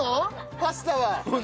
パスタは。